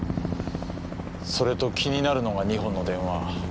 それと気になるのが２本の電話。